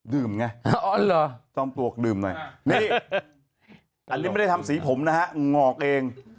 ไงจอมปลวกดื่มหน่อยนี่อันนี้ไม่ได้ทำสีผมนะฮะงอกเอง